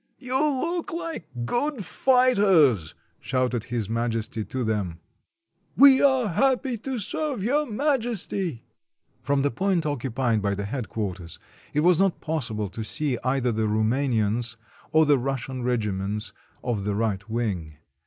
"You look like good fighters," shouted His Majesty to them. "We are happy to serve Your Majesty." From the point occupied by the headquarters it was not possible to see either the Roumanians or the Russian regiments of the right wing.